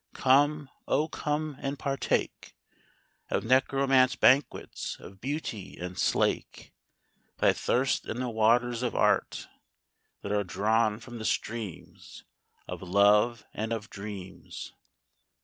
Come, oh, come and partake Of necromance banquets of beauty; and slake Thy thirst in the waters of Art, That are drawn from the streams Of love and of dreams.